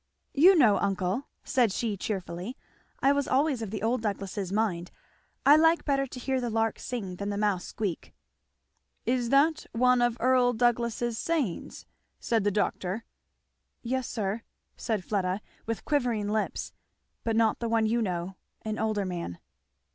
"You know, uncle," said she cheerfully, "I was always of the old Douglasses' mind I like better to hear the lark sing than the mouse squeak." "Is that one of Earl Douglass's sayings?" said the doctor. "Yes sir," said Fleda with quivering lips, "but not the one you know an older man."